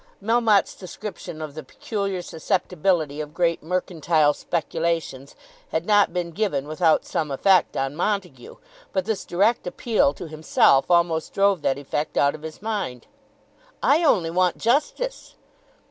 Melmotte's description of the peculiar susceptibility of great mercantile speculations had not been given without some effect on Montague, but this direct appeal to himself almost drove that effect out of his mind. "I only want justice."